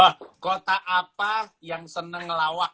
oh kota apa yang seneng ngelawak